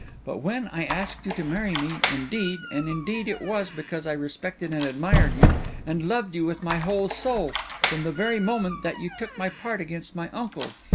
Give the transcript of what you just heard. But when I asked you to marry me, indeed, and indeed, it was because I respected and admired you, and loved you with my whole soul, from the very moment that you took my part against my uncle.